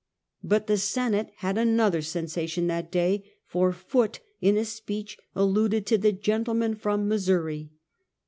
But the Senate had another sensation that day, for Foot, in a speech alluded to ''the gentleman from Missouri."